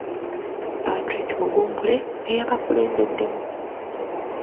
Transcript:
Patrick Mugumbule eyabakulembeddemu.